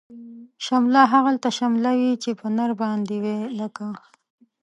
شمله هغلته شمله وی، چی په نر باندی وی لکه